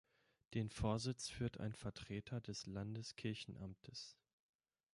Den Vorsitz führt ein Vertreter des Landeskirchenamtes.